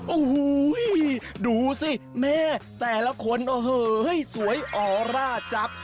โอ้โหดูสิแม่แต่ละคนโอ้โหสวยออร่าจับ